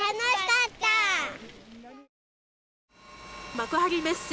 幕張メッセ